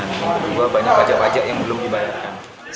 dan kedua banyak pajak pajak yang belum dibayarkan